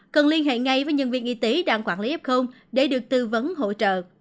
cần liên hệ ngay với nhân viên y tế đang quản lý f để được tư vấn hỗ trợ